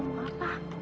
di mana tempatku